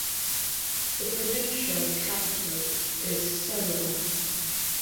The provincial capital is Sariwon.